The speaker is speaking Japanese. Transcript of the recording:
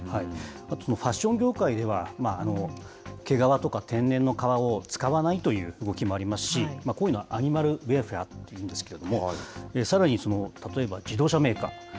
あとファッション業界では、毛皮とか天然の革を使わないという動きもありますし、こういうのアニマルウエルフェアというんですけれども、さらに例えば自動車メーカー。